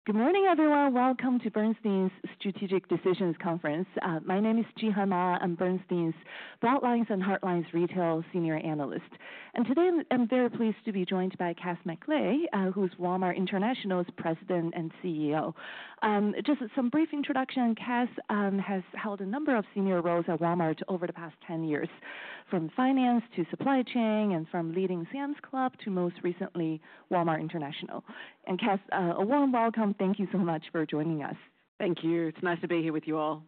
All right. Good morning, everyone. Welcome to Bernstein's Strategic Decisions Conference. My name is Zhan Ma. I'm Bernstein's Bright Lines and Hard Lines Retail Senior Analyst. Today I'm very pleased to be joined by Kath McLay, who's Walmart International's President and CEO. Just some brief introduction. Kath has held a number of senior roles at Walmart over the past 10 years, from finance to supply chain, and from leading Sam's Club to most recently Walmart International. Kath, a warm welcome. Thank you so much for joining us. Thank you. It's nice to be here with you all.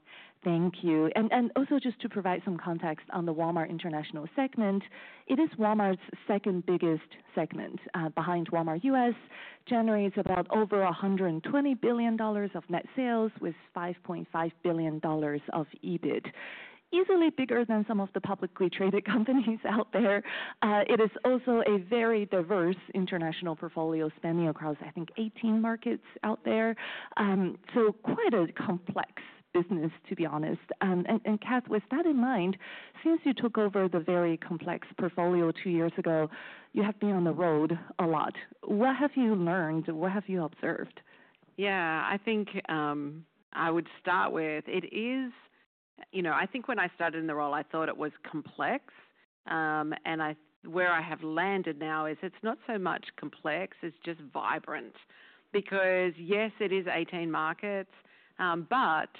Thank you. Also, just to provide some context on the Walmart International segment, it is Walmart's second biggest segment, behind Walmart US, generates about over $120 billion of net sales, with $5.5 billion of EBIT, easily bigger than some of the publicly traded companies out there. It is also a very diverse international portfolio spanning across, I think, 18 markets out there. Quite a complex business, to be honest. Kath, with that in mind, since you took over the very complex portfolio two years ago, you have been on the road a lot. What have you learned? What have you observed? Yeah, I think I would start with it is, you know, I think when I started in the role, I thought it was complex. Where I have landed now is it's not so much complex, it's just vibrant. Because yes, it is 18 markets, but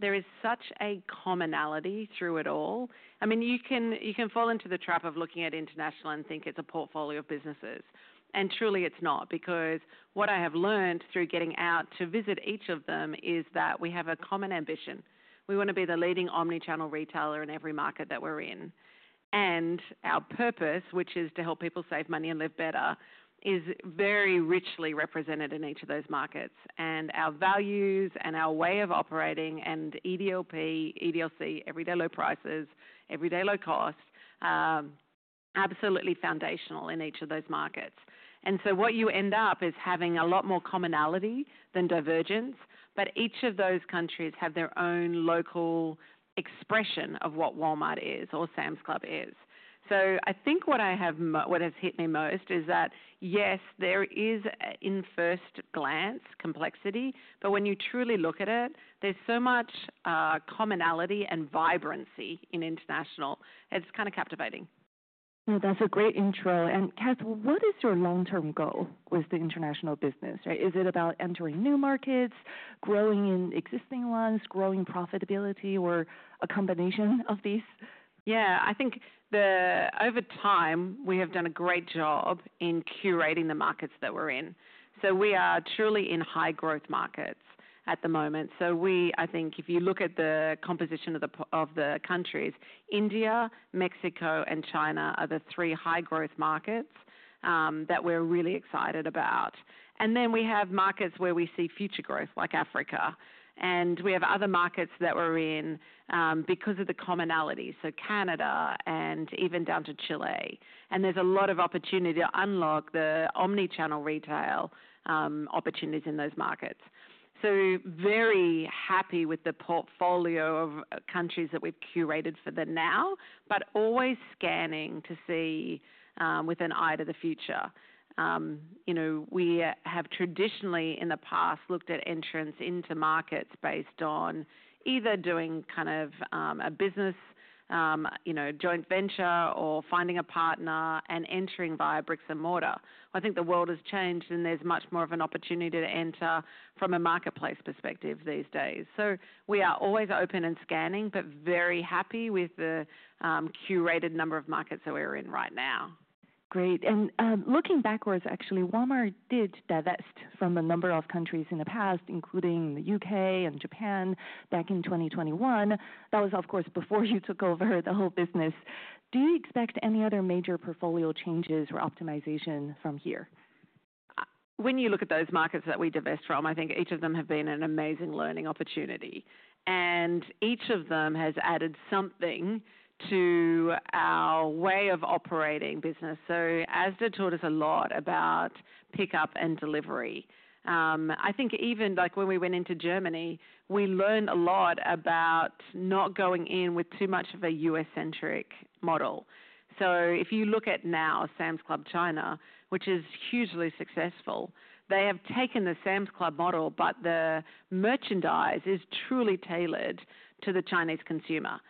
there is such a commonality through it all. I mean, you can fall into the trap of looking at international and think it's a portfolio of businesses. Truly, it's not, because what I have learned through getting out to visit each of them is that we have a common ambition. We want to be the leading omnichannel retailer in every market that we're in. Our purpose, which is to help people save money and live better, is very richly represented in each of those markets. Our values and our way of operating and EDLP, EDLC, everyday low prices, everyday low cost, absolutely foundational in each of those markets. What you end up is having a lot more commonality than divergence, but each of those countries have their own local expression of what Walmart is or Sam's Club is. I think what has hit me most is that, yes, there is, in first glance, complexity, but when you truly look at it, there's so much commonality and vibrancy in international. It's kind of captivating. That's a great intro. Kath, what is your long-term goal with the international business? Is it about entering new markets, growing in existing ones, growing profitability, or a combination of these? Yeah, I think over time we have done a great job in curating the markets that we're in. We are truly in high growth markets at the moment. I think if you look at the composition of the countries, India, Mexico, and China are the three high growth markets that we're really excited about. We have markets where we see future growth, like Africa. We have other markets that we're in because of the commonality, so Canada and even down to Chile. There is a lot of opportunity to unlock the omnichannel retail opportunities in those markets. Very happy with the portfolio of countries that we've curated for them now, but always scanning to see with an eye to the future. We have traditionally, in the past, looked at entrance into markets based on either doing kind of a business joint venture or finding a partner and entering via bricks and mortar. I think the world has changed and there's much more of an opportunity to enter from a marketplace perspective these days. We are always open and scanning, but very happy with the curated number of markets that we're in right now. Great. Looking backwards, actually, Walmart did divest from a number of countries in the past, including the U.K. and Japan, back in 2021. That was, of course, before you took over the whole business. Do you expect any other major portfolio changes or optimization from here? When you look at those markets that we divest from, I think each of them have been an amazing learning opportunity. Each of them has added something to our way of operating business. Asda taught us a lot about pickup and delivery. I think even when we went into Germany, we learned a lot about not going in with too much of a U.S.-centric model. If you look at now Sam's Club China, which is hugely successful, they have taken the Sam's Club model, but the merchandise is truly tailored to the Chinese consumer.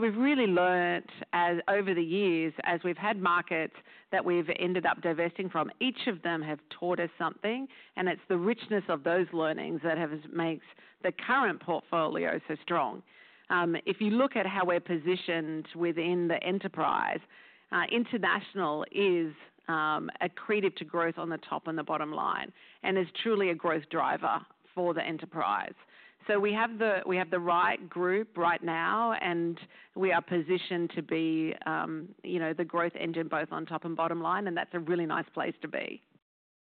We have really learned over the years, as we have had markets that we have ended up divesting from, each of them have taught us something. It is the richness of those learnings that makes the current portfolio so strong. If you look at how we're positioned within the enterprise, International is accretive to growth on the top and the bottom line, and is truly a growth driver for the enterprise. We have the right group right now, and we are positioned to be the growth engine both on top and bottom line, and that's a really nice place to be.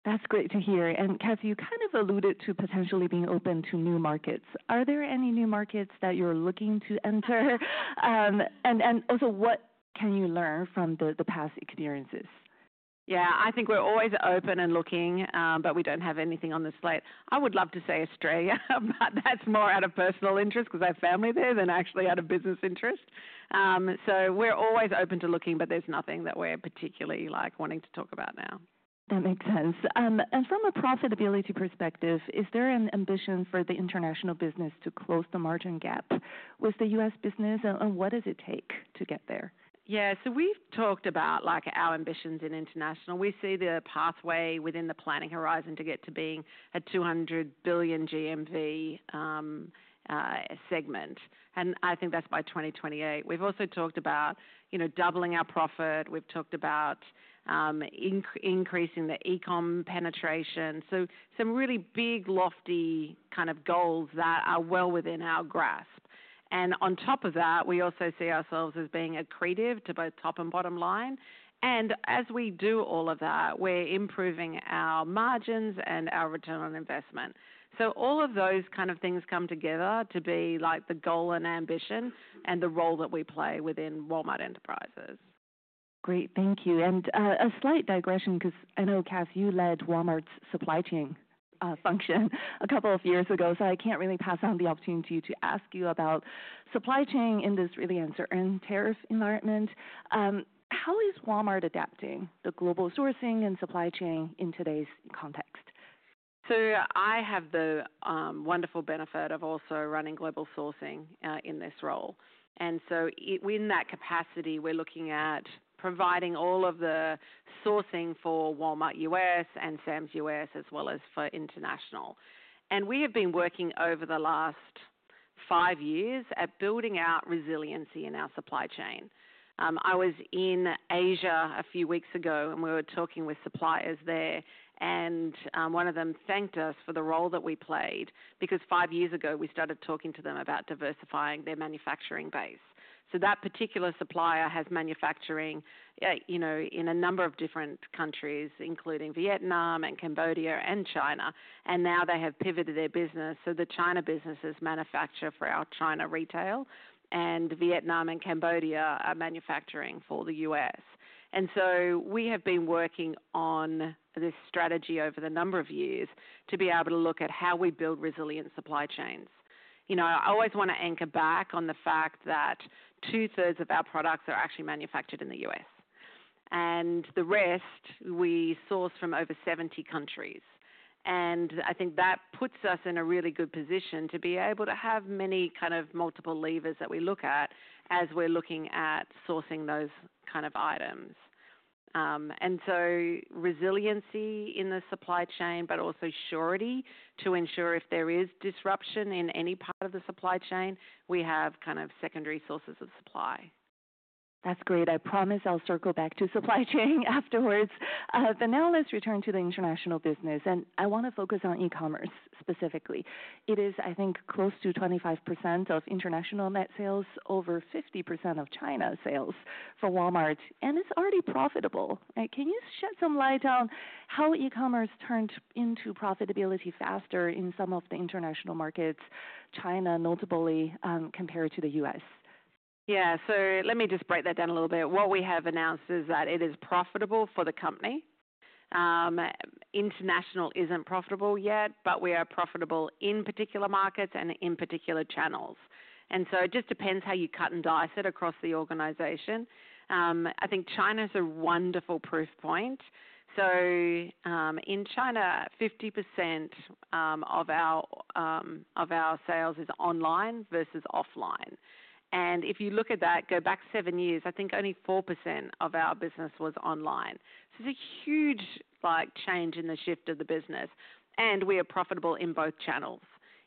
That's great to hear. And Kath, you kind of alluded to potentially being open to new markets. Are there any new markets that you're looking to enter? Also, what can you learn from the past experiences? Yeah, I think we're always open and looking, but we don't have anything on the slate. I would love to say Australia, but that's more out of personal interest, because I have family there, than actually out of business interest. We're always open to looking, but there's nothing that we're particularly wanting to talk about now. That makes sense. From a profitability perspective, is there an ambition for the International business to close the margin gap with the U.S. business? What does it take to get there? Yeah, so we've talked about our ambitions in International. We see the pathway within the planning horizon to get to being a $200 billion GMV segment. I think that's by 2028. We've also talked about doubling our profit. We've talked about increasing the e-com penetration. Some really big, lofty kind of goals that are well within our grasp. On top of that, we also see ourselves as being accretive to both top and bottom line. As we do all of that, we're improving our margins and our return on investment. All of those kind of things come together to be the goal and ambition and the role that we play within Walmart Enterprises. Great. Thank you. A slight digression, because I know, Kath, you led Walmart's supply chain function a couple of years ago, so I can't really pass on the opportunity to ask you about supply chain in this really uncertain tariff environment. How is Walmart adapting to global sourcing and supply chain in today's context? I have the wonderful benefit of also running global sourcing in this role. In that capacity, we're looking at providing all of the sourcing for Walmart U.S. and Sam's U.S., as well as for international. We have been working over the last five years at building out resiliency in our supply chain. I was in Asia a few weeks ago, and we were talking with suppliers there. One of them thanked us for the role that we played, because five years ago, we started talking to them about diversifying their manufacturing base. That particular supplier has manufacturing in a number of different countries, including Vietnam and Cambodia and China. Now they have pivoted their business. The China businesses manufacture for our China retail, and Vietnam and Cambodia are manufacturing for the U.S.. We have been working on this strategy over the number of years to be able to look at how we build resilient supply chains. I always want to anchor back on the fact that two-thirds of our products are actually manufactured in the US. The rest, we source from over 70 countries. I think that puts us in a really good position to be able to have many kind of multiple levers that we look at as we're looking at sourcing those kind of items. Resiliency in the supply chain, but also surety to ensure if there is disruption in any part of the supply chain, we have kind of secondary sources of supply. That's great. I promise I'll circle back to supply chain afterwards. Now let's return to the international business. I want to focus on e-commerce specifically. It is, I think, close to 25% of international net sales, over 50% of China sales for Walmart. It's already profitable. Can you shed some light on how e-commerce turned into profitability faster in some of the international markets, China notably compared to the U.S.? Yeah, so let me just break that down a little bit. What we have announced is that it is profitable for the company. International isn't profitable yet, but we are profitable in particular markets and in particular channels. It just depends how you cut and dice it across the organization. I think China is a wonderful proof point. In China, 50% of our sales is online versus offline. If you look at that, go back seven years, I think only 4% of our business was online. It's a huge change in the shift of the business. We are profitable in both channels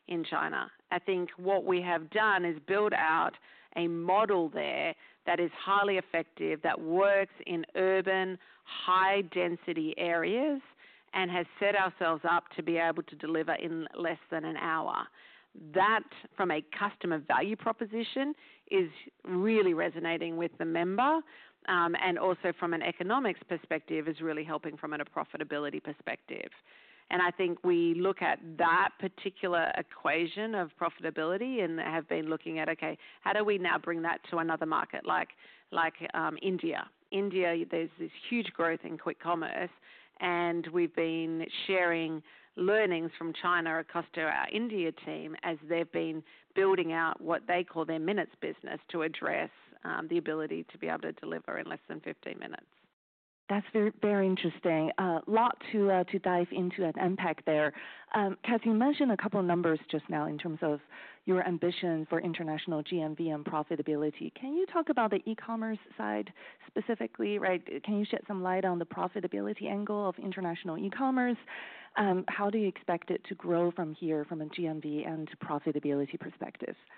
in China. I think what we have done is build out a model there that is highly effective, that works in urban, high-density areas, and has set ourselves up to be able to deliver in less than an hour. That, from a customer value proposition, is really resonating with the member. Also, from an economics perspective, is really helping from a profitability perspective. I think we look at that particular equation of profitability and have been looking at, OK, how do we now bring that to another market, like India? India, there's this huge growth in quick commerce. We have been sharing learnings from China across to our India team as they've been building out what they call their minutes business to address the ability to be able to deliver in less than 15 minutes. That's very interesting. A lot to dive into and unpack there. Kath, you mentioned a couple of numbers just now in terms of your ambition for international GMV and profitability. Can you talk about the e-commerce side specifically? Can you shed some light on the profitability angle of international e-commerce? How do you expect it to grow from here, from a GMV and profitability perspective? Yeah,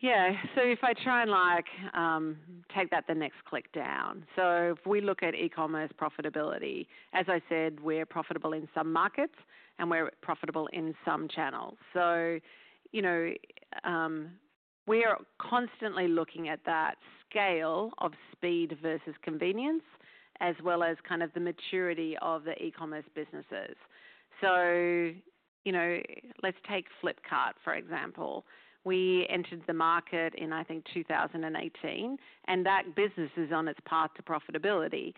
so if I try and take that the next click down. If we look at e-commerce profitability, as I said, we're profitable in some markets, and we're profitable in some channels. We're constantly looking at that scale of speed versus convenience, as well as kind of the maturity of the e-commerce businesses. Let's take Flipkart, for example. We entered the market in, I think, 2018, and that business is on its path to profitability.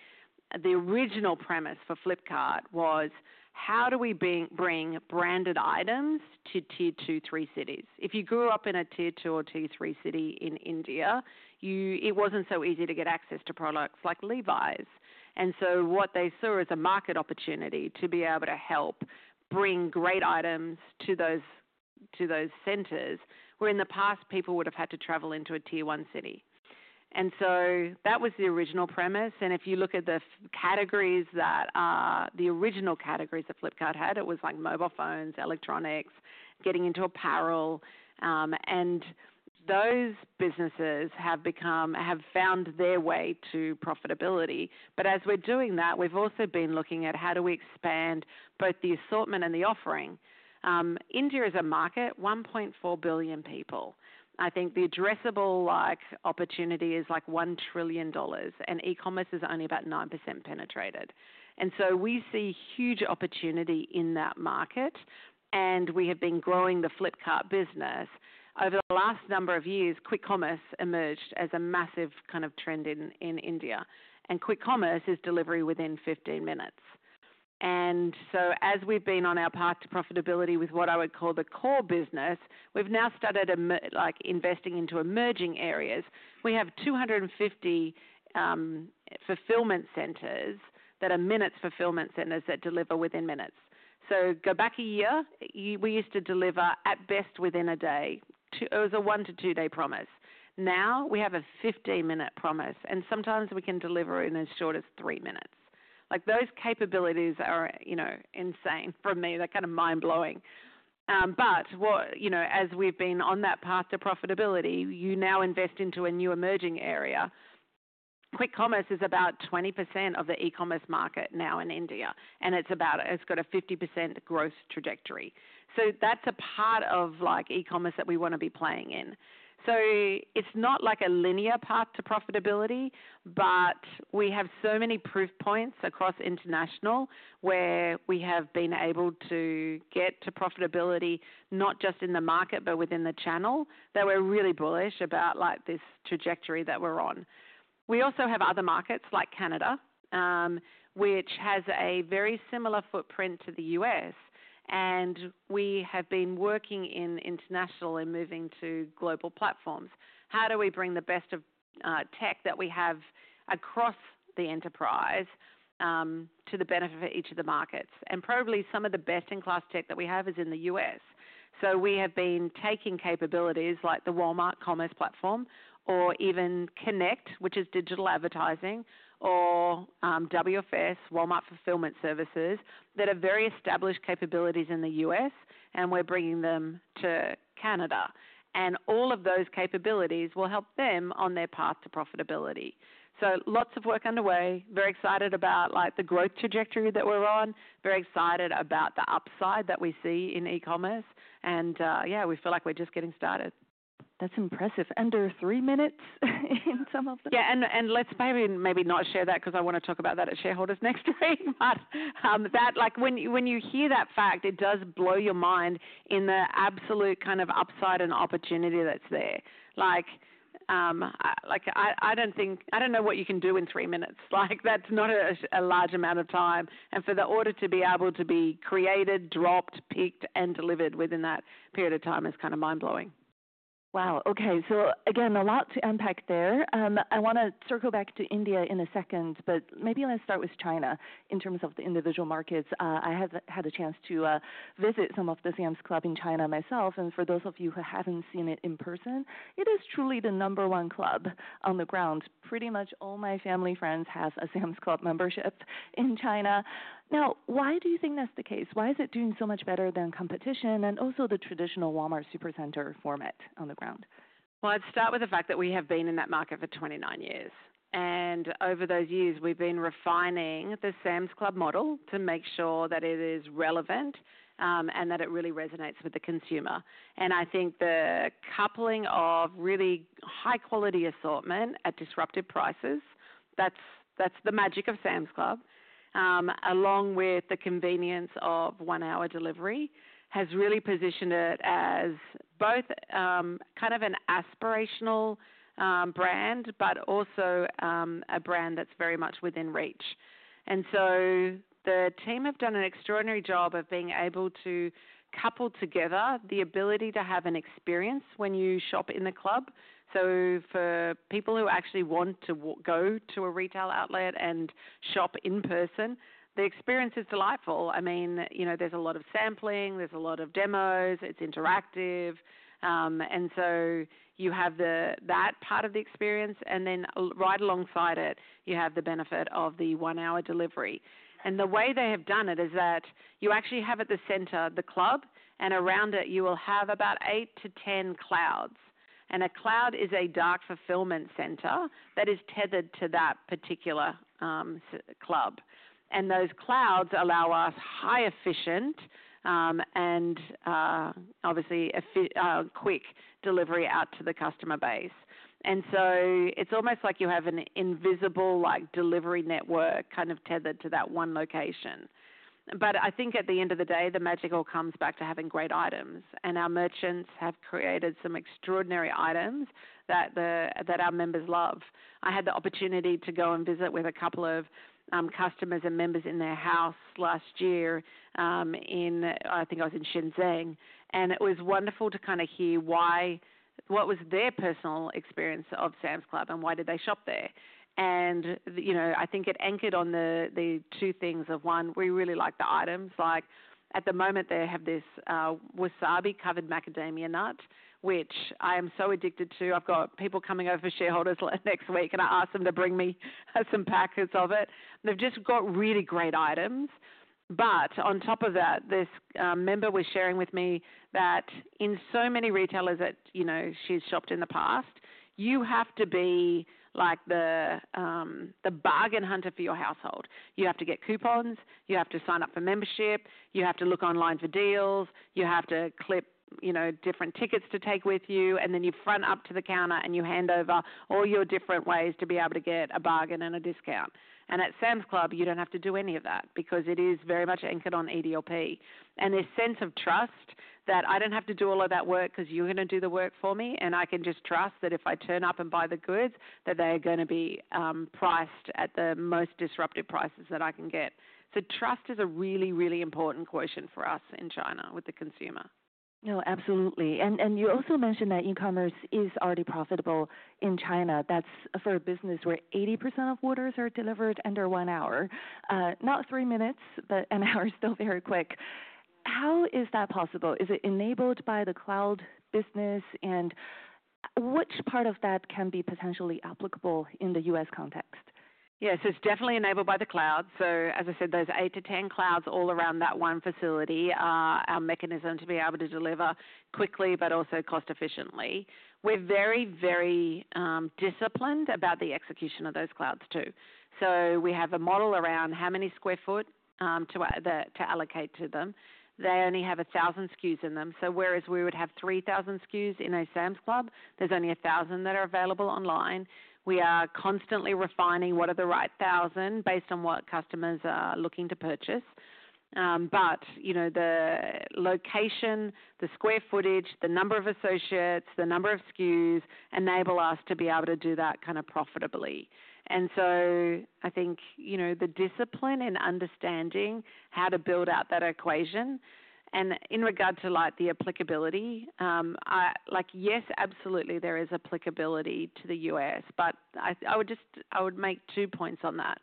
The original premise for Flipkart was, how do we bring branded items to tier two, three cities? If you grew up in a tier two or tier three city in India, it wasn't so easy to get access to products like Levi's. What they saw as a market opportunity was to be able to help bring great items to those centers where in the past, people would have had to travel into a tier one city. That was the original premise. If you look at the categories that are the original categories that Flipkart had, it was like mobile phones, electronics, getting into apparel. Those businesses have found their way to profitability. As we are doing that, we have also been looking at how do we expand both the assortment and the offering. India is a market, 1.4 billion people. I think the addressable opportunity is like $1 trillion, and e-commerce is only about 9% penetrated. We see huge opportunity in that market. We have been growing the Flipkart business. Over the last number of years, quick commerce emerged as a massive kind of trend in India. Quick commerce is delivery within 15 minutes. As we've been on our path to profitability with what I would call the core business, we've now started investing into emerging areas. We have 250 fulfillment centers that are minutes fulfillment centers that deliver within minutes. Go back a year, we used to deliver at best within a day. It was a one to two-day promise. Now we have a 15-minute promise. Sometimes we can deliver in as short as three minutes. Those capabilities are insane for me. They're kind of mind-blowing. As we've been on that path to profitability, you now invest into a new emerging area. Quick commerce is about 20% of the e-commerce market now in India. It's got a 50% growth trajectory. That's a part of e-commerce that we want to be playing in. It's not like a linear path to profitability, but we have so many proof points across international where we have been able to get to profitability, not just in the market, but within the channel, that we're really bullish about this trajectory that we're on. We also have other markets, like Canada, which has a very similar footprint to the US. We have been working in international and moving to global platforms. How do we bring the best of tech that we have across the enterprise to the benefit of each of the markets? Probably some of the best-in-class tech that we have is in the US. We have been taking capabilities like the Walmart Commerce platform, or even Connect, which is digital advertising, or WFS, Walmart Fulfillment Services, that are very established capabilities in the US. We're bringing them to Canada. All of those capabilities will help them on their path to profitability. Lots of work underway. Very excited about the growth trajectory that we're on. Very excited about the upside that we see in e-commerce. Yeah, we feel like we're just getting started. That's impressive. Under three minutes in some of them. Yeah, and let's maybe not share that, because I want to talk about that at shareholders next week. When you hear that fact, it does blow your mind in the absolute kind of upside and opportunity that's there. I don't know what you can do in three minutes. That's not a large amount of time. For the order to be able to be created, dropped, picked, and delivered within that period of time is kind of mind-blowing. Wow. OK, so again, a lot to unpack there. I want to circle back to India in a second. Maybe let's start with China in terms of the individual markets. I have had a chance to visit some of the Sam's Club in China myself. For those of you who haven't seen it in person, it is truly the number one club on the ground. Pretty much all my family friends have a Sam's Club membership in China. Now, why do you think that's the case? Why is it doing so much better than competition and also the traditional Walmart Supercenter format on the ground? I'd start with the fact that we have been in that market for 29 years. Over those years, we've been refining the Sam's Club model to make sure that it is relevant and that it really resonates with the consumer. I think the coupling of really high-quality assortment at disruptive prices, that's the magic of Sam's Club, along with the convenience of one-hour delivery, has really positioned it as both kind of an aspirational brand, but also a brand that's very much within reach. The team have done an extraordinary job of being able to couple together the ability to have an experience when you shop in the club. For people who actually want to go to a retail outlet and shop in person, the experience is delightful. I mean, there's a lot of sampling. There's a lot of demos. It's interactive. You have that part of the experience. Right alongside it, you have the benefit of the one-hour delivery. The way they have done it is that you actually have at the center the club. Around it, you will have about 8 to 10 clouds. A cloud is a dark fulfillment center that is tethered to that particular club. Those clouds allow us high-efficient and obviously quick delivery out to the customer base. It's almost like you have an invisible delivery network kind of tethered to that one location. I think at the end of the day, the magic all comes back to having great items. Our merchants have created some extraordinary items that our members love. I had the opportunity to go and visit with a couple of customers and members in their house last year in, I think I was in Shenzhen. It was wonderful to kind of hear what was their personal experience of Sam's Club and why did they shop there. I think it anchored on the two things of one, we really like the items. At the moment, they have this wasabi-covered macadamia nut, which I am so addicted to. I've got people coming over for shareholders next week. I asked them to bring me some packets of it. They've just got really great items. On top of that, this member was sharing with me that in so many retailers that she's shopped in the past, you have to be the bargain hunter for your household. You have to get coupons. You have to sign up for membership. You have to look online for deals. You have to clip different tickets to take with you. Then you front up to the counter and you hand over all your different ways to be able to get a bargain and a discount. At Sam's Club, you do not have to do any of that because it is very much anchored on EDLP. This sense of trust that I do not have to do all of that work because you are going to do the work for me. I can just trust that if I turn up and buy the goods, they are going to be priced at the most disruptive prices that I can get. Trust is a really, really important quotient for us in China with the consumer. No, absolutely. You also mentioned that e-commerce is already profitable in China. That is for a business where 80% of orders are delivered under one hour. Not three minutes, but an hour is still very quick. How is that possible? Is it enabled by the cloud business? Which part of that can be potentially applicable in the U.S. context? Yeah, so it's definitely enabled by the cloud. As I said, those 8 to 10 clouds all around that one facility are our mechanism to be able to deliver quickly, but also cost-efficiently. We're very, very disciplined about the execution of those clouds, too. We have a model around how many sq ft to allocate to them. They only have 1,000 SKUs in them. Whereas we would have 3,000 SKUs in a Sam's Club, there's only 1,000 that are available online. We are constantly refining what are the right 1,000 based on what customers are looking to purchase. The location, the square footage, the number of associates, the number of SKUs enable us to be able to do that kind of profitably. I think the discipline and understanding how to build out that equation. In regard to the applicability, yes, absolutely, there is applicability to the US. I would make two points on that.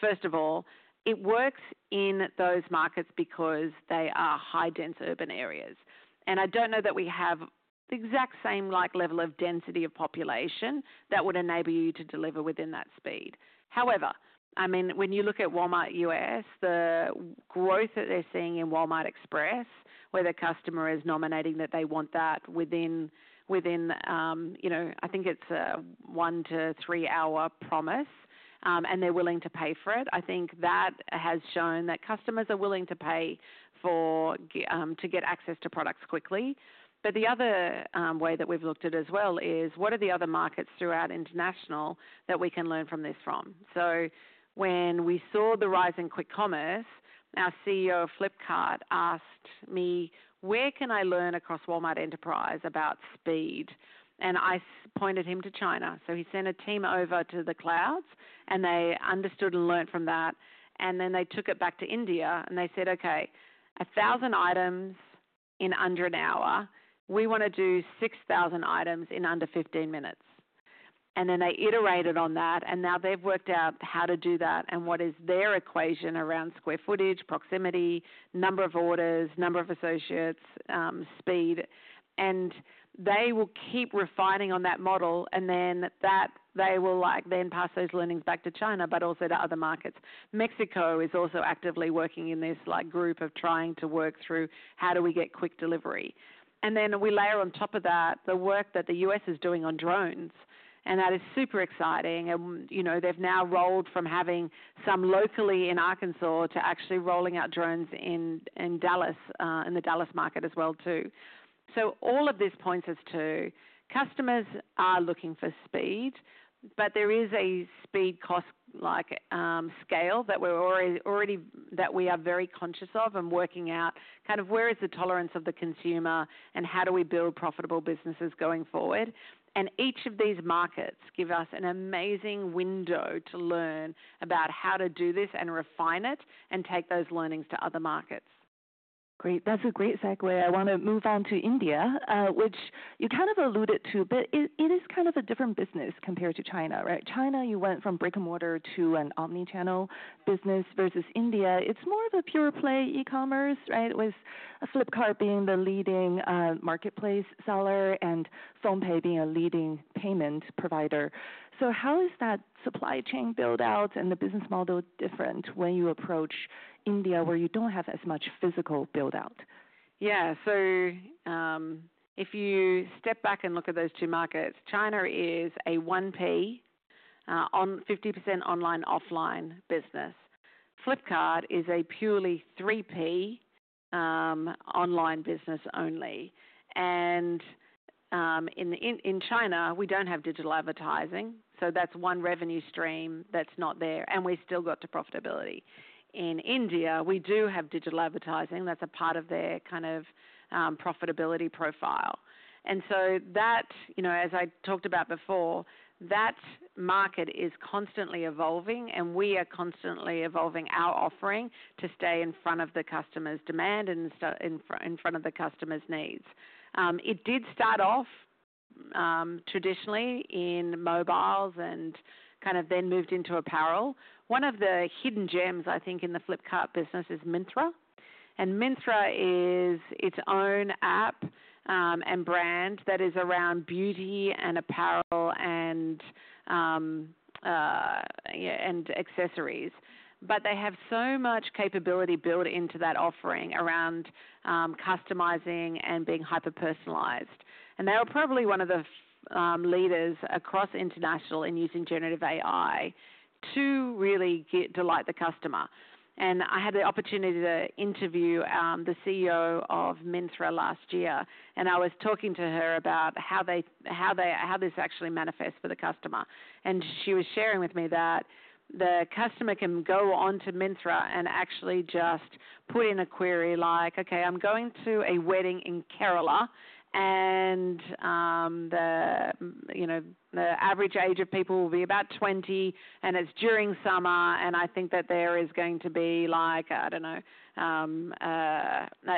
First of all, it works in those markets because they are high-dense urban areas. I do not know that we have the exact same level of density of population that would enable you to deliver within that speed. However, I mean, when you look at Walmart US, the growth that they are seeing in Walmart Express, where the customer is nominating that they want that within, I think it is a one to three-hour promise, and they are willing to pay for it, I think that has shown that customers are willing to pay to get access to products quickly. The other way that we have looked at it as well is, what are the other markets throughout international that we can learn from this from? When we saw the rise in quick commerce, our CEO of Flipkart asked me, where can I learn across Walmart Enterprise about speed? I pointed him to China. He sent a team over to the clouds. They understood and learned from that. They took it back to India. They said, OK, 1,000 items in under an hour. We want to do 6,000 items in under 15 minutes. They iterated on that. Now they've worked out how to do that and what is their equation around square footage, proximity, number of orders, number of associates, speed. They will keep refining on that model. They will then pass those learnings back to China, but also to other markets. Mexico is also actively working in this group of trying to work through how do we get quick delivery. We layer on top of that the work that the U.S. is doing on drones. That is super exciting. They have now rolled from having some locally in Arkansas to actually rolling out drones in the Dallas market as well, too. All of this points us to customers are looking for speed. There is a speed cost scale that we are very conscious of and working out kind of where is the tolerance of the consumer and how do we build profitable businesses going forward. Each of these markets give us an amazing window to learn about how to do this and refine it and take those learnings to other markets. Great. That's a great segue. I want to move on to India, which you kind of alluded to. It is kind of a different business compared to China, right? China, you went from brick and mortar to an omnichannel business versus India. It's more of a pure play e-commerce, right, with Flipkart being the leading marketplace seller and PhonePe being a leading payment provider. How is that supply chain build-out and the business model different when you approach India, where you don't have as much physical build-out? Yeah, if you step back and look at those two markets, China is a 1P on 50% online/offline business. Flipkart is a purely 3P online business only. In China, we do not have digital advertising. That is one revenue stream that is not there. We have still got to profitability. In India, we do have digital advertising. That is a part of their kind of profitability profile. As I talked about before, that market is constantly evolving. We are constantly evolving our offering to stay in front of the customer's demand and in front of the customer's needs. It did start off traditionally in mobiles and then moved into apparel. One of the hidden gems, I think, in the Flipkart business is Myntra. Myntra is its own app and brand that is around beauty and apparel and accessories. They have so much capability built into that offering around customizing and being hyper-personalized. They are probably one of the leaders across international in using generative AI to really delight the customer. I had the opportunity to interview the CEO of Myntra last year. I was talking to her about how this actually manifests for the customer. She was sharing with me that the customer can go on to Myntra and actually just put in a query like, OK, I'm going to a wedding in Kerala. The average age of people will be about 20. It's during summer. I think that there is going to be like, I don't know,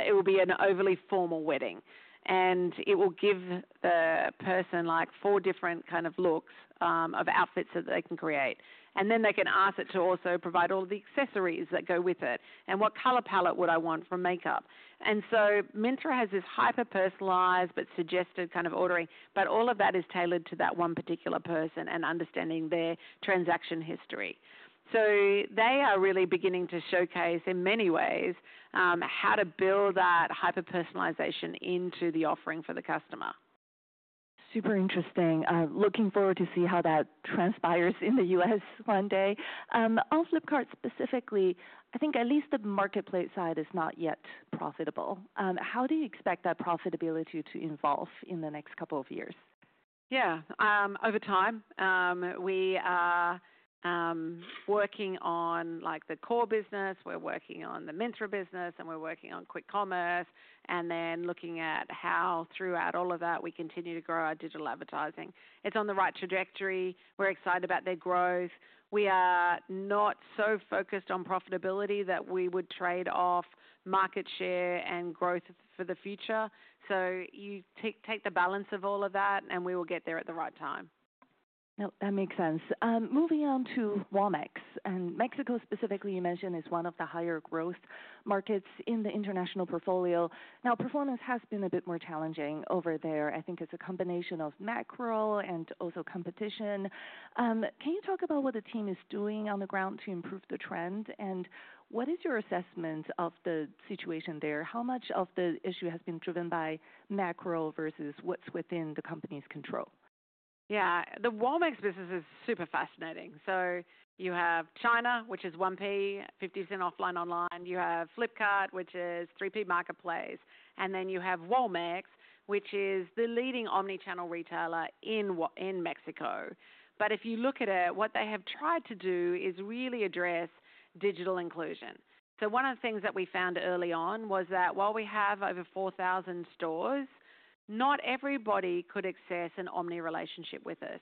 it will be an overly formal wedding. It will give the person like four different kind of looks of outfits that they can create. They can ask it to also provide all of the accessories that go with it. What color palette would I want for makeup? Mynthra has this hyper-personalized but suggested kind of ordering. All of that is tailored to that one particular person and understanding their transaction history. They are really beginning to showcase in many ways how to build that hyper-personalization into the offering for the customer. Super interesting. Looking forward to see how that transpires in the U.S. one day. On Flipkart specifically, I think at least the marketplace side is not yet profitable. How do you expect that profitability to evolve in the next couple of years? Yeah, over time. We are working on the core business. We're working on the Myntra business. And we're working on quick commerce. Then looking at how throughout all of that, we continue to grow our digital advertising. It's on the right trajectory. We're excited about their growth. We are not so focused on profitability that we would trade off market share and growth for the future. You take the balance of all of that. We will get there at the right time. That makes sense. Moving on to Walmart, and Mexico specifically, you mentioned, is one of the higher growth markets in the international portfolio. Now, performance has been a bit more challenging over there. I think it's a combination of macro and also competition. Can you talk about what the team is doing on the ground to improve the trend? What is your assessment of the situation there? How much of the issue has been driven by macro versus what's within the company's control? Yeah, the Walmart business is super fascinating. You have China, which is 1P, 50% offline/online. You have Flipkart, which is 3P Marketplace. You have Walmart, which is the leading omnichannel retailer in Mexico. If you look at it, what they have tried to do is really address digital inclusion. One of the things that we found early on was that while we have over 4,000 stores, not everybody could access an omni relationship with us.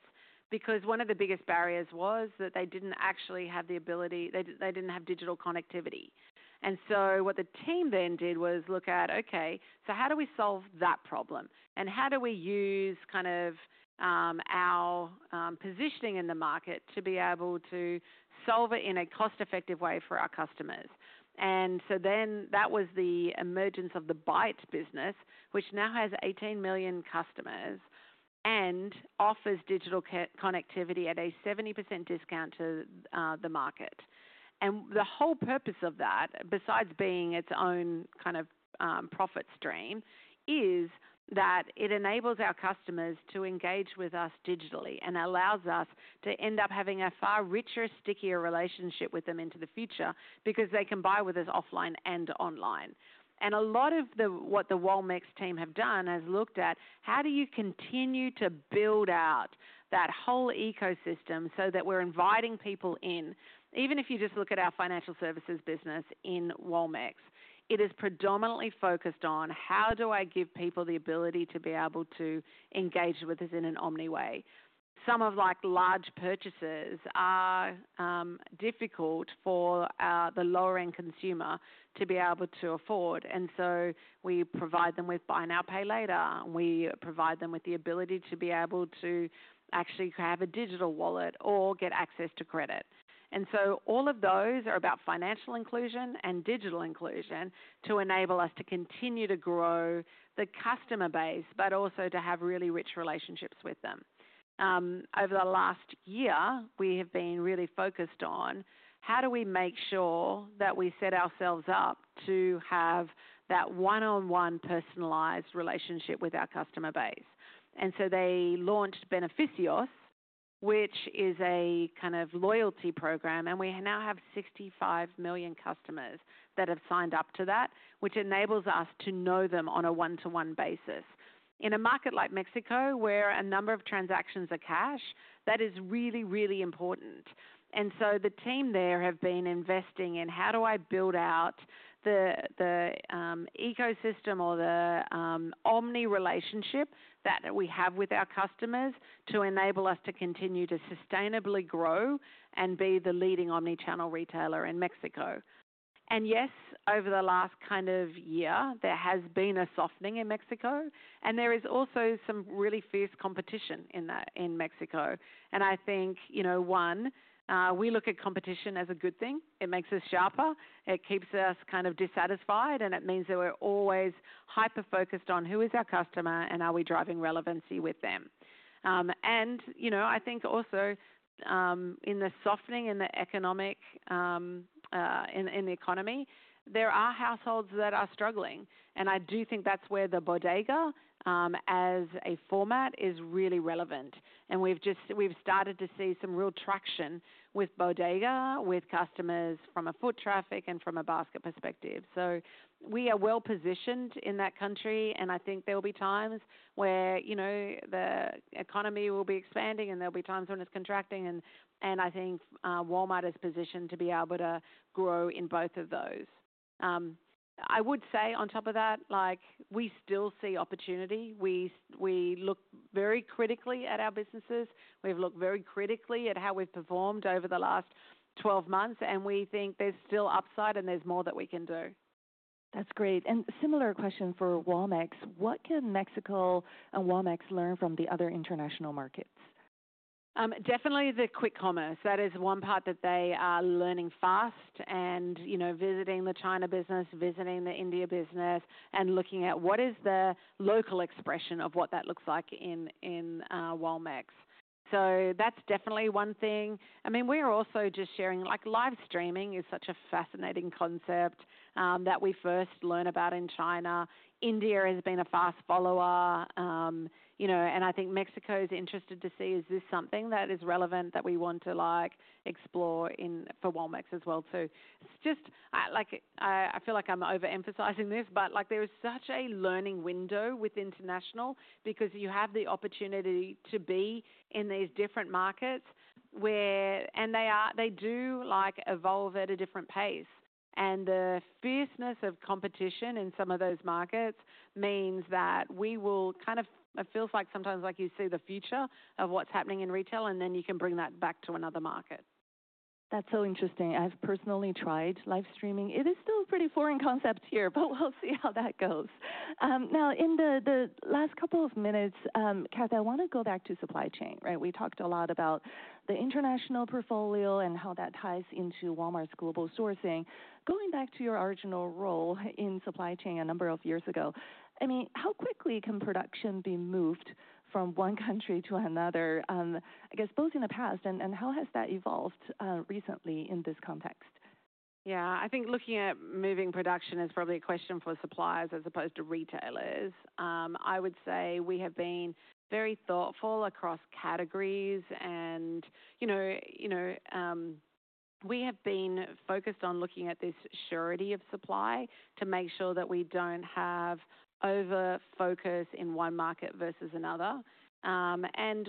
One of the biggest barriers was that they did not actually have the ability; they did not have digital connectivity. What the team then did was look at, OK, how do we solve that problem? How do we use kind of our positioning in the market to be able to solve it in a cost-effective way for our customers? That was the emergence of the Byte business, which now has 18 million customers and offers digital connectivity at a 70% discount to the market. The whole purpose of that, besides being its own kind of profit stream, is that it enables our customers to engage with us digitally and allows us to end up having a far richer, stickier relationship with them into the future because they can buy with us offline and online. A lot of what the Walmart team have done has looked at how do you continue to build out that whole ecosystem so that we are inviting people in. Even if you just look at our financial services business in Walmart, it is predominantly focused on how do I give people the ability to be able to engage with us in an omni way. Some of large purchases are difficult for the lower-end consumer to be able to afford. We provide them with buy now, pay later. We provide them with the ability to be able to actually have a digital wallet or get access to credit. All of those are about financial inclusion and digital inclusion to enable us to continue to grow the customer base, but also to have really rich relationships with them. Over the last year, we have been really focused on how do we make sure that we set ourselves up to have that one-on-one personalized relationship with our customer base. They launched Beneficios, which is a kind of loyalty program. We now have 65 million customers that have signed up to that, which enables us to know them on a one-to-one basis. In a market like Mexico, where a number of transactions are cash, that is really, really important. The team there have been investing in how do I build out the ecosystem or the omni relationship that we have with our customers to enable us to continue to sustainably grow and be the leading omnichannel retailer in Mexico. Yes, over the last kind of year, there has been a softening in Mexico. There is also some really fierce competition in Mexico. I think, one, we look at competition as a good thing. It makes us sharper. It keeps us kind of dissatisfied. It means that we're always hyper-focused on who is our customer and are we driving relevancy with them. I think also in the softening in the economy, there are households that are struggling. I do think that's where the bodega, as a format, is really relevant. We've started to see some real traction with bodega, with customers from a foot traffic and from a basket perspective. We are well-positioned in that country. I think there will be times where the economy will be expanding. There will be times when it's contracting. I think Walmart is positioned to be able to grow in both of those. I would say on top of that, we still see opportunity. We look very critically at our businesses. We've looked very critically at how we've performed over the last 12 months. We think there's still upside. There's more that we can do. That's great. A similar question for Walmart. What can Mexico and Walmart learn from the other international markets? Definitely the quick commerce. That is one part that they are learning fast and visiting the China business, visiting the India business, and looking at what is the local expression of what that looks like in Walmart. That is definitely one thing. I mean, we are also just sharing like live streaming is such a fascinating concept that we first learned about in China. India has been a fast follower. I think Mexico is interested to see, is this something that is relevant that we want to explore for Walmart as well, too? I feel like I'm overemphasizing this. There is such a learning window with international because you have the opportunity to be in these different markets. They do evolve at a different pace. The fierceness of competition in some of those markets means that we will kind of, it feels like sometimes like you see the future of what's happening in retail. And then you can bring that back to another market. That's so interesting. I've personally tried live streaming. It is still a pretty foreign concept here. We'll see how that goes. Now, in the last couple of minutes, Kath, I want to go back to supply chain, right? We talked a lot about the international portfolio and how that ties into Walmart's global sourcing. Going back to your original role in supply chain a number of years ago, I mean, how quickly can production be moved from one country to another, I guess, both in the past? How has that evolved recently in this context? Yeah, I think looking at moving production is probably a question for suppliers as opposed to retailers. I would say we have been very thoughtful across categories. We have been focused on looking at this surety of supply to make sure that we do not have over-focus in one market versus another.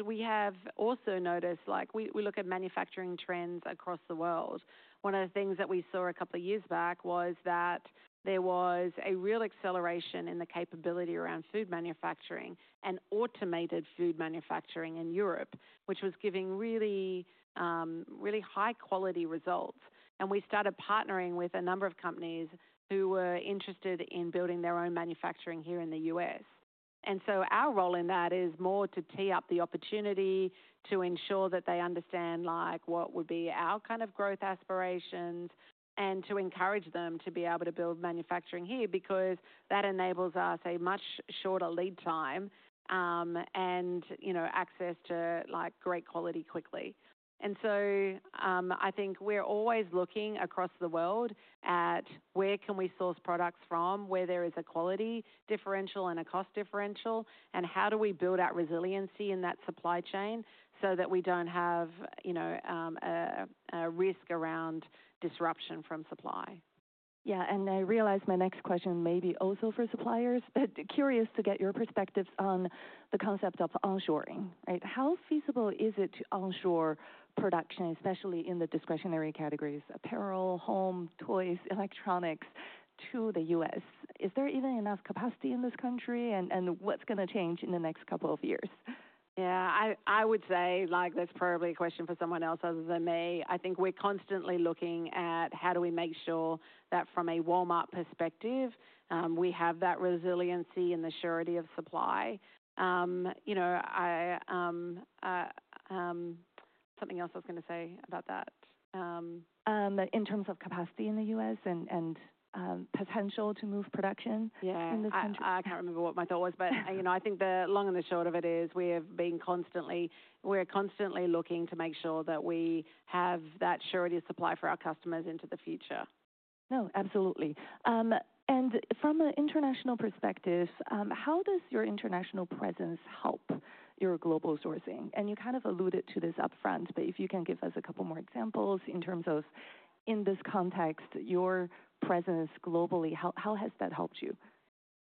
We have also noticed we look at manufacturing trends across the world. One of the things that we saw a couple of years back was that there was a real acceleration in the capability around food manufacturing and automated food manufacturing in Europe, which was giving really high-quality results. We started partnering with a number of companies who were interested in building their own manufacturing here in the US. Our role in that is more to tee up the opportunity to ensure that they understand what would be our kind of growth aspirations and to encourage them to be able to build manufacturing here because that enables us a much shorter lead time and access to great quality quickly. I think we're always looking across the world at where can we source products from where there is a quality differential and a cost differential. How do we build out resiliency in that supply chain so that we do not have a risk around disruption from supply? Yeah, and I realize my next question may be also for suppliers. Curious to get your perspectives on the concept of onshoring, right? How feasible is it to onshore production, especially in the discretionary categories: apparel, home, toys, electronics, to the US? Is there even enough capacity in this country? What's going to change in the next couple of years? Yeah, I would say that's probably a question for someone else other than me. I think we're constantly looking at how do we make sure that from a Walmart perspective, we have that resiliency and the surety of supply. Something else I was going to say about that. In terms of capacity in the U.S. and potential to move production in this country? Yeah, I can't remember what my thought was. I think the long and the short of it is we are constantly looking to make sure that we have that surety of supply for our customers into the future. No, absolutely. From an international perspective, how does your international presence help your global sourcing? You kind of alluded to this upfront. If you can give us a couple more examples in this context, your presence globally, how has that helped you?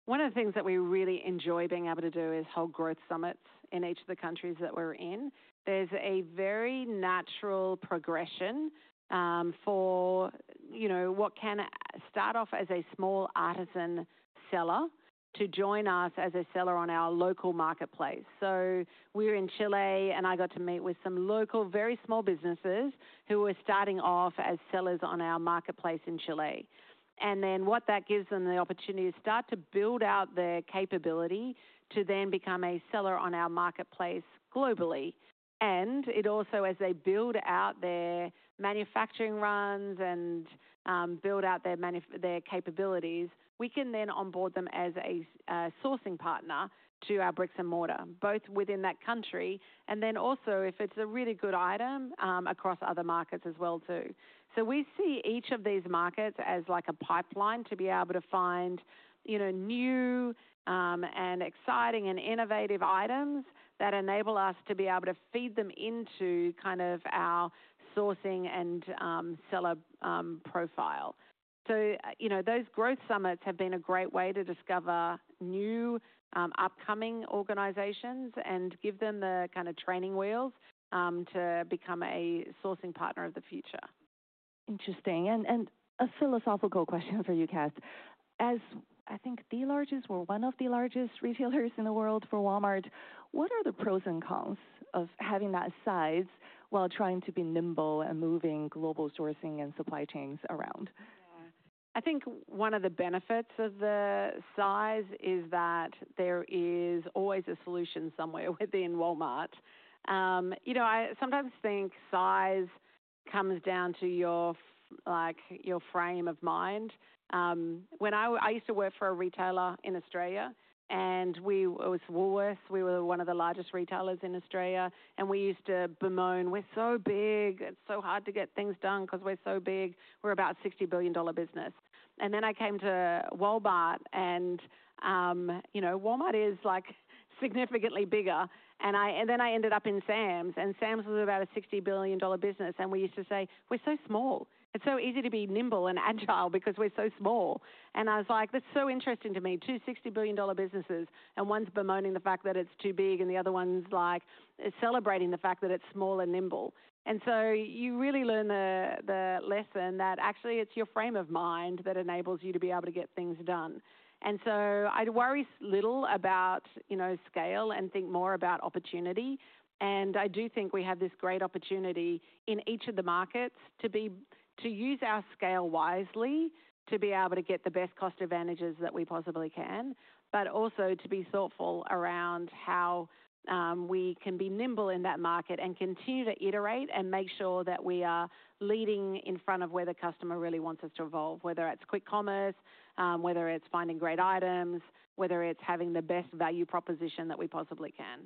One of the things that we really enjoy being able to do is hold growth summits in each of the countries that we're in. There's a very natural progression for what can start off as a small artisan seller to join us as a seller on our local marketplace. We're in Chile. I got to meet with some local, very small businesses who were starting off as sellers on our marketplace in Chile. What that gives them is the opportunity to start to build out their capability to then become a seller on our marketplace globally. It also, as they build out their manufacturing runs and build out their capabilities, we can then onboard them as a sourcing partner to our bricks and mortar, both within that country and also if it's a really good item across other markets as well, too. We see each of these markets as like a pipeline to be able to find new and exciting and innovative items that enable us to be able to feed them into kind of our sourcing and seller profile. Those growth summits have been a great way to discover new upcoming organizations and give them the kind of training wheels to become a sourcing partner of the future. Interesting. A philosophical question for you, Kath. As I think the largest or one of the largest retailers in the world for Walmart, what are the pros and cons of having that size while trying to be nimble and moving global sourcing and supply chains around? I think one of the benefits of the size is that there is always a solution somewhere within Walmart. I sometimes think size comes down to your frame of mind. I used to work for a retailer in Australia. It was Woolworths. We were one of the largest retailers in Australia. We used to bemoan, we're so big. It's so hard to get things done because we're so big. We were about a $60 billion business. I came to Walmart. Walmart is significantly bigger. I ended up in Sam's. Sam's was about a $60 billion business. We used to say, we're so small. It's so easy to be nimble and agile because we're so small. I was like, that's so interesting to me, two $60 billion businesses. One's bemoaning the fact that it's too big. The other one's celebrating the fact that it's small and nimble. You really learn the lesson that actually it's your frame of mind that enables you to be able to get things done. I worry little about scale and think more about opportunity. I do think we have this great opportunity in each of the markets to use our scale wisely to be able to get the best cost advantages that we possibly can, but also to be thoughtful around how we can be nimble in that market and continue to iterate and make sure that we are leading in front of where the customer really wants us to evolve, whether it's quick commerce, whether it's finding great items, whether it's having the best value proposition that we possibly can.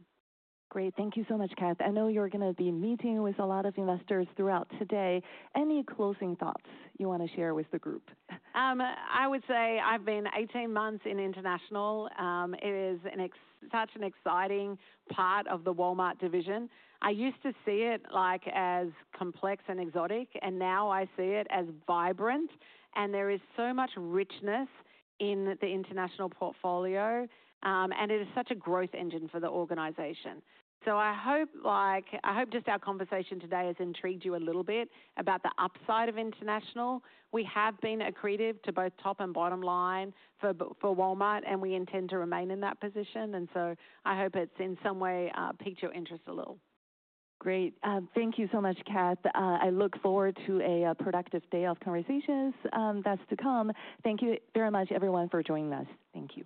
Great. Thank you so much, Kath. I know you're going to be meeting with a lot of investors throughout today. Any closing thoughts you want to share with the group? I would say I've been 18 months in International. It is such an exciting part of the Walmart division. I used to see it as complex and exotic. Now I see it as vibrant. There is so much richness in the international portfolio. It is such a growth engine for the organization. I hope just our conversation today has intrigued you a little bit about the upside of International. We have been accretive to both top and bottom line for Walmart. We intend to remain in that position. I hope it's in some way piqued your interest a little. Great. Thank you so much, Kath. I look forward to a productive day of conversations that's to come. Thank you very much, everyone, for joining us. Thank you.